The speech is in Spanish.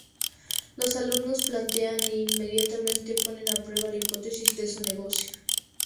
Los alumnos plantean e inmediatamente ponen a prueba las hipótesis de su negocio.